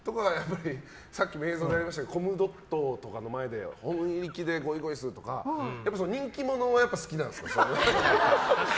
さっきも映像もありましたけどコムドットとかの前で本いきでゴイゴイスーとか人気者が好きなんですか？